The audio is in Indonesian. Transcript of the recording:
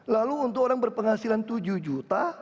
lalu untuk orang berpenghasilan tujuh juta